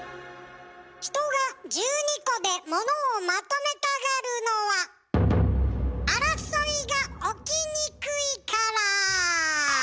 人が１２個で物をまとめたがるのは争いが起きにくいから！